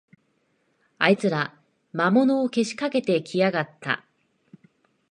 あいつら、魔物をけしかけてきやがった